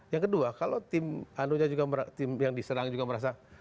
yang kedua kalau tim yang diserang juga merasa